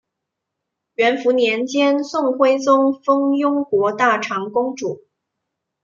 元符年间宋徽宗封雍国大长公主。